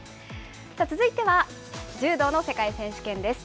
続いては、柔道の世界選手権です。